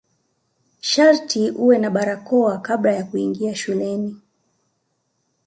Sharti uwe na barakoa kabla kuingia shuleni.